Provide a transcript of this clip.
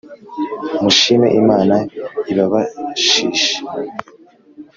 Mushime Imana ibabashishe